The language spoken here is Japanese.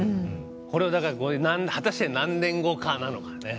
これ、果たして何年後かなのかね。